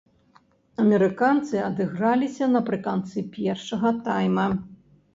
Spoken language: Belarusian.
Амерыканцы адыграліся напрыканцы першага тайма.